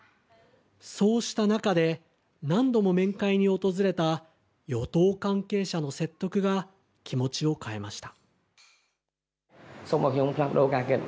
そうした中で、何度も面会に訪れた与党関係者の説得が気持ちを変えました。